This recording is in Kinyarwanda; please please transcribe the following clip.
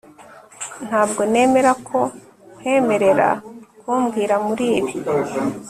Ntabwo nemera ko nkwemerera kumbwira muri ibi